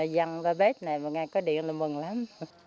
dân bà bếp này mà ngay có điện là mừng lắm